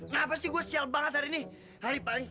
ngapasih gua sial banget hari ini hari paling